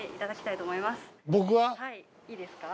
いいですか？